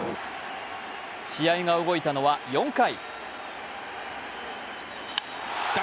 試合が動いたのは４回。